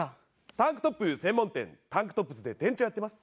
タンクトップ専門店タンクトップズで店長やってます。